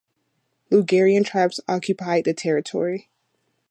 Ligurian tribes occupied the territory.